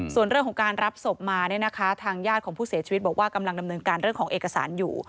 ส่วนเรื่องของการรับศพมาเนี่ยนะคะทางญาติของผู้เสียชีวิตบอกว่ากำลังดำเนินการเรื่องของเอกสารอยู่